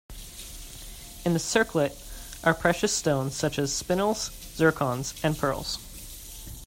In the circlet are precious stones such as spinels, zircons, and pearls.